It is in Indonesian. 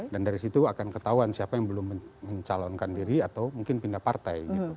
dan dari situ akan ketahuan siapa yang belum mencalonkan diri atau mungkin pindah partai